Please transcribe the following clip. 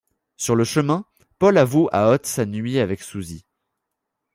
Sur le chemin, Paul avoue à Hotte sa nuit avec Susi.